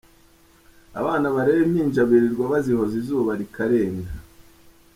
Abana barera impinja birirwa bazihoza izuba rikarenga.